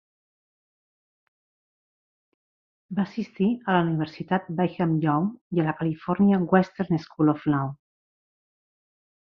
Va assistir a la Universitat Brigham Young i a la California Western School of Law.